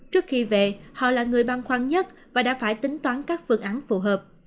trước khi về họ là người băng khoan nhất và đã phải tính toán các phương án phù hợp